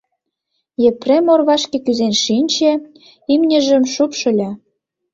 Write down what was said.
Епрем орвашке кӱзен шинче, имньыжым шупшыльо.